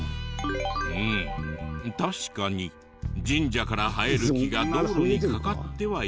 うん確かに神社から生える木が道路にかかってはいるが。